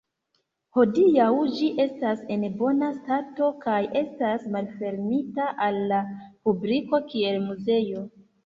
Hodiaŭ ĝi estas en bona stato kaj estas malfermita al la publiko kiel muzeo.